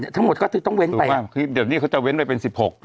ทั้งหมดก็ต้องเว้นไปหรือว่าเดี๋ยวนี้เขาจะเว้นไปเป็น๑๖